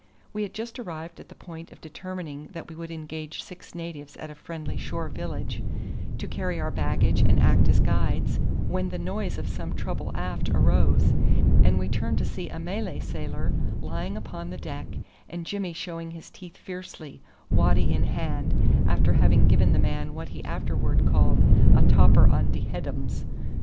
We had just arrived at the point of determining that we would engage six natives at a friendly shore village to carry our baggage and act as guides, when the noise of some trouble aft arose, and we turned to see a Malay sailor lying upon the deck, and Jimmy showing his teeth fiercely, waddy in hand, after having given the man what he afterwards called "a topper on de headums."